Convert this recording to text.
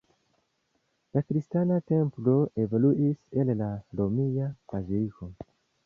La kristana templo evoluis el la romia baziliko.